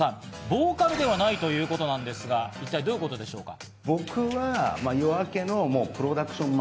ボーカルではないということなんですが、一体どういうことでしょうか？